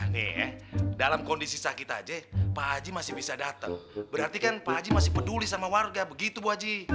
nih dalam kondisi sakit aja pak haji masih bisa datang berarti kan pak haji masih peduli sama warga begitu wajib